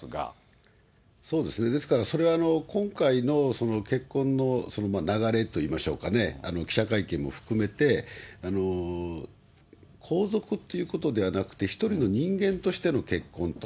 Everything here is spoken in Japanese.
ですからそれは、今回の結婚の流れといいましょうかね、記者会見も含めて、皇族ということではなくて、一人の人間としての結婚と。